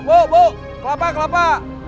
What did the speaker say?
bu bu kalapa kalapa